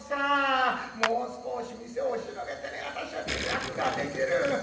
もう少し店を広げてね私だってね楽ができる。